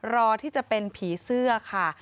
รอที่จะเป็นผีเสื้อค่ะ